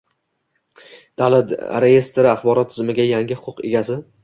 Davlat reyestri axborot tizimiga yangi huquq egasi